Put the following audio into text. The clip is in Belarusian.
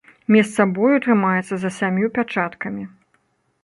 Месца бою трымаецца за сямю пячаткамі.